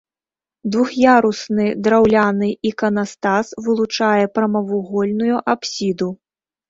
Двух'ярусны драўляны іканастас вылучае прамавугольную апсіду.